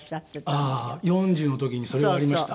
ああ４０の時にそれはありました。